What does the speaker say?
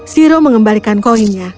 shiro mengembalikan koinnya